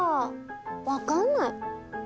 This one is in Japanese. わかんない。